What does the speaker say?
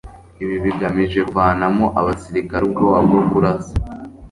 Ibi bigamije kuvanamo abasirikare ubwoba bwo kurasa,